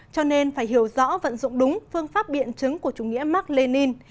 cho nên phải hiểu rõ vận dụng đúng phương pháp biện chứng của chủ nghĩa mark lenin